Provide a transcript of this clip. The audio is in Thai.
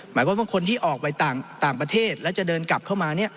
หมายความว่าบางคนที่ออกไปต่างประเทศแล้วจะเดินกลับเข้ามา